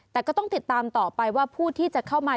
แต่ก็ต้องติดตามต่อไปว่าผู้ที่จะเข้ามา